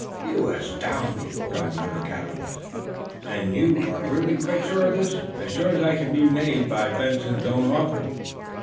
"You astound me," cried the other capitalist. "And you are really quite sure of this?" "As sure as I can be made by Benson's own offer."